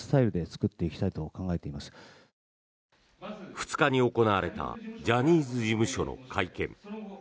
２日に行われたジャニーズ事務所の会見。